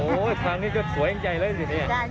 โอ้โฮทางนี้จดสวยอย่างใจเลยสิเนี่ย